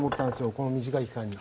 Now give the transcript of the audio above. この短い期間に。